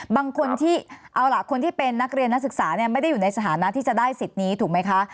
บางคนที่เอาล่ะคนที่เป็นนักเรียนนักศึกษาไม่ได้อยู่ในสถานะที่จะได้สิทธิ์นี้ถูกไหมคะ